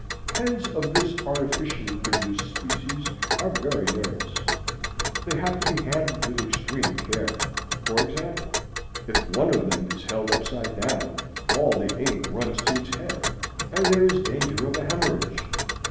Pens of this artificially produced species are very nervous. They have to be handled with extreme care. For example, if one of them is held upside down, all the ink runs to its head, and there is danger of a hemorrhage.